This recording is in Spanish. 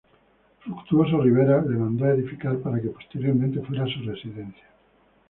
Fructuoso Rivera, la mandó a edificar para que posteriormente fuera su residencia.